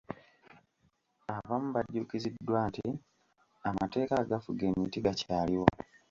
Abantu bajjukiziddwa nti amateeka agafuga emiti gakyaliwo.